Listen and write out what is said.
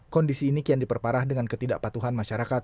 kondisi ini kian diperparah dengan ketidakpatuhan masyarakat